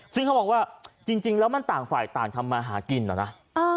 ซึ่งเขาบอกว่าจริงจริงแล้วมันต่างฝ่ายต่างคำมาหากินเหรอนะอ่า